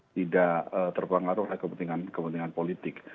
tidak terpengaruh oleh kepentingan kepentingan politik